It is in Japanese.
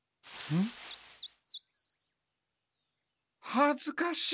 はずかしい。